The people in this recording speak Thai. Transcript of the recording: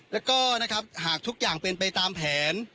แล้วก็นะครับหากทุกอย่างเป็นไปตามแผน